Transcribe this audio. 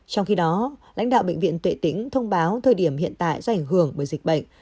trong khi đó lãnh đạo bệnh viện tuệ tĩnh thông báo thời điểm hiện tại do ảnh hưởng bởi dịch bệnh